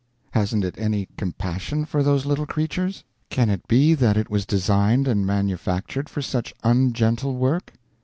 Hasn't it any compassion for those little creature? Can it be that it was designed and manufactured for such ungentle work?